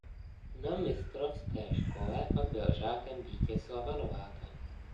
Na mistrovské škole pak byl žákem Vítězslava Nováka.